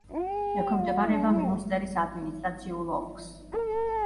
ექვემდებარება მიუნსტერის ადმინისტრაციულ ოლქს.